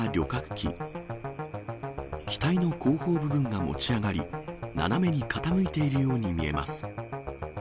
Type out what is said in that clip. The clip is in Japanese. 機体の後方部分が持ち上がり、斜めに傾いているように見えます。